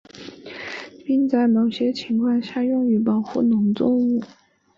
并在某些情况下用于保护农作物。